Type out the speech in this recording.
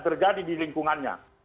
terjadi di lingkungannya